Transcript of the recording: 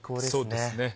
そうですね。